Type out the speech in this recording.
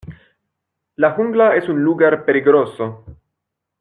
La jungla es un lugar peligroso.